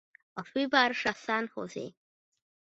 A fővárosa San José.